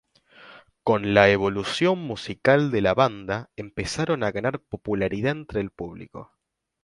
Con la evolución musical de la banda, empezaron a ganar popularidad entre el público.